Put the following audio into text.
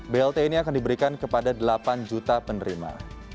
blt ini akan diberikan kepada delapan juta penerima